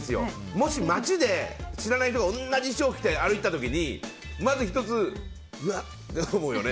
もし、街で知らない人が同じ衣装着て歩いてた時にまず、うわって思うよね。